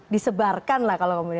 disebarkan lah kalau